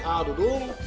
a a dudung